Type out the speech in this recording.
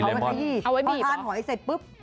เอามาขยี้พอทานหอยเสร็จปุ๊บ